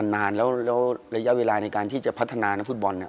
นานแล้วระยะเวลาในการที่จะพัฒนานักฟุตบอล